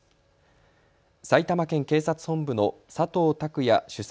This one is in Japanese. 埼玉県警察本部の佐藤拓也首席